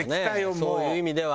そういう意味では。